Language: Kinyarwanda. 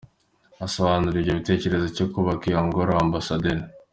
Asobanura aho gitekerezo cyo kubaka iyo ngoro, Amb.